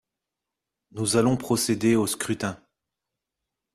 Nous allons procéder au scrutin.